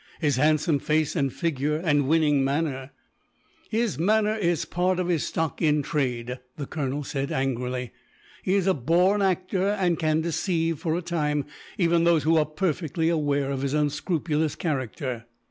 His handsome face and figure, and winning manner " "His manner is part of his stock in trade," the colonel said, angrily. "He is a born actor; and can deceive, for a time, even those who are perfectly aware of his unscrupulous character.